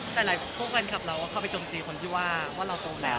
แต่หลายพวกแฟนคลับเราก็เข้าไปจมตีคนที่ว่าเราโตแล้ว